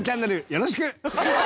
よろしく！